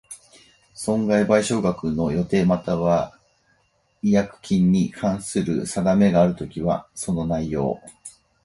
損害賠償額の予定又は違約金に関する定めがあるときは、その内容